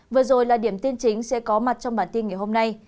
vừa rồi là điểm tin chính sẽ có mặt trong bản tin ngày hôm nay